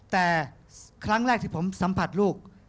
แต่ครั้งแรกที่ผมสัมผัสลูก